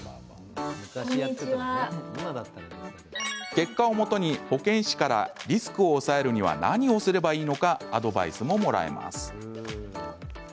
結果をもとに保健師からリスクを抑えるには何をすればいいのかアドバイスももらえます。